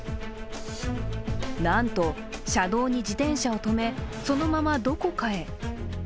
なんと車道に自転車を止めそのままどこかへ。